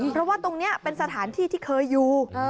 เพราะว่าตรงนี้เป็นสถานที่ที่เคยอยู่